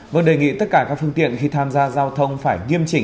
vâng đề nghị tất cả các phương tiện khi tham gia giao thông phải nghiêm chỉnh